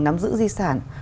nắm giữ di sản